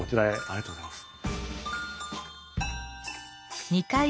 ありがとうございます。